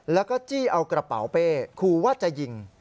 แล้วก็จี้เอากระเป๋าเป้คู่ว่าจะยิง